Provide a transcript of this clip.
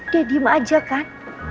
dia diem aja kan